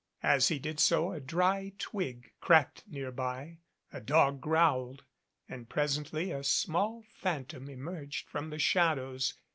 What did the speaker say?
As he did so a dry twig cracked nearby, a dog growled, and presently a small phantom emerged from the shadows.